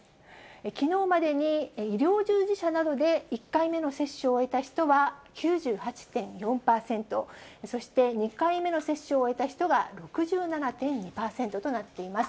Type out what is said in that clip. きのうまでに医療従事者などで１回目の接種を終えた人は９８．４％、そして２回目の接種を終えた人は６７．２％となっています。